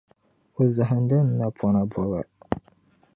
o zahindi n napɔna bɔba.